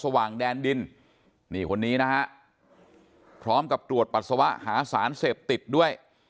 ว่างแดนดินนี่คนนี้นะฮะพร้อมกับตรวจปัสสาวะหาสารเสพติดด้วย